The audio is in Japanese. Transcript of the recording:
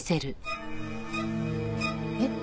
えっ？